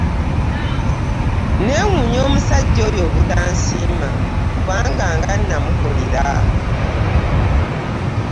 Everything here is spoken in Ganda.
Neewuunya omusajja oyo obutasiima kubanga nga namukolera!